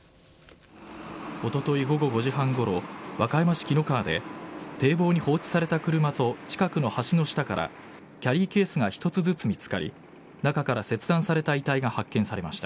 おととい午後５時半ごろ和歌山市紀の川で堤防に放置された車と近くの橋の下からキャリーケースが１つずつ見つかり中から切断された遺体が発見されました。